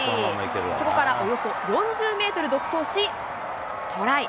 そこからおよそ４０メートル独走し、トライ。